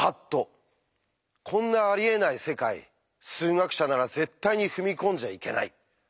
こんなありえない世界数学者なら絶対に踏み込んじゃいけない！